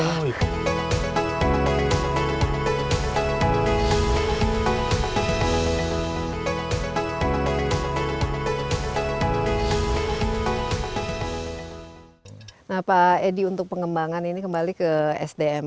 nah pak edi untuk pengembangan ini kembali ke sdm